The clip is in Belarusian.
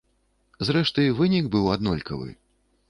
Зрэшты, вынік быў аднолькавы.